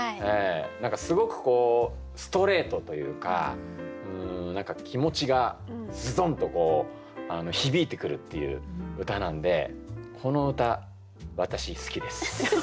何かすごくストレートというか何か気持ちがズドンと響いてくるっていう歌なんでこの歌私好きです。